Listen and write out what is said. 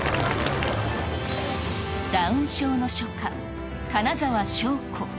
ダウン症の書家、金澤翔子。